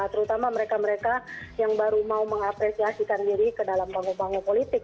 terutama mereka mereka yang baru mau mengapresiasikan diri ke dalam panggung bangku politik